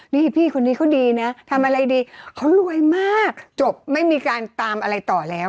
นี่พี่คนนี้เขาดีนะทำอะไรดีเขารวยมากจบไม่มีการตามอะไรต่อแล้ว